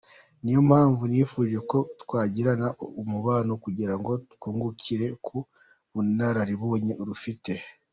Niyo mpamvu nifuje ko twagirana umubano kugira ngo twungukire ku bunararibonye rufite.